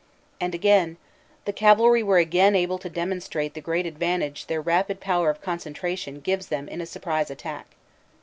And again : "The cavalry were again able to demonstrate the great advantage their rapid power of con centration gives them in a surprise attack.